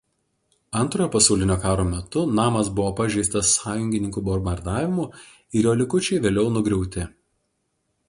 Antrojo pasaulinio karo metu namas buvo pažeistas sąjungininkų bombardavimų ir jo likučiai vėliau nugriauti.